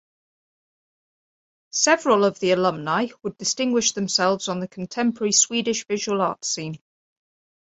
Several of the alumni would distinguish themselves on the contemporary Swedish visual arts scene.